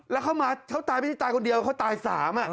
แล้วเขามาเขาตายไม่ได้ตายคนเดียวเขาตาย๓